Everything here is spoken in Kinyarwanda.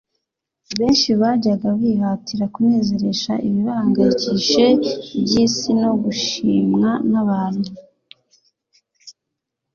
benshi bajyaga bihatira kunezeresha ibibahangayikishije iby'isi no gushimwa n'abantu,